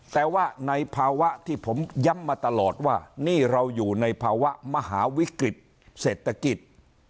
แต่ว่าในภาวะที่ผมย้ำมาตลอดว่านี่เราอยู่ในภาวะมหาวิกฤตเศรษฐกิจ